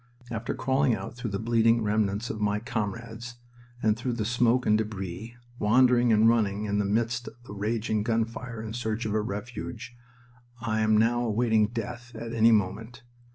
After crawling out through the bleeding remnants of my comrades, and through the smoke and debris, wandering and running in the midst of the raging gun fire in search of a refuge, I am now awaiting death at any moment.